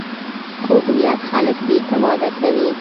کوږ نیت خلک بې اعتماده کوي